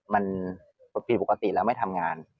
มันผิดปกติแล้วไม่ทำงาน